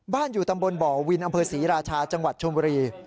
อยู่ตำบลบ่อวินอำเภอศรีราชาจังหวัดชมบุรี